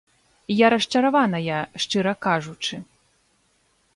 Я расчараваная, шчыра кажучы.